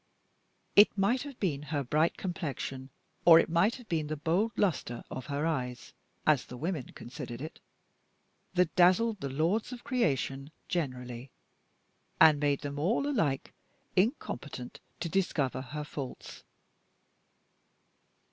It might have been her bright complexion or it might have been the bold luster of her eyes (as the women considered it), that dazzled the lords of creation generally, and made them all alike incompetent to discover her faults.